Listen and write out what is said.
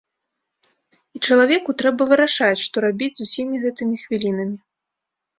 І чалавеку трэба вырашаць, што рабіць з усімі гэтымі хвілінамі.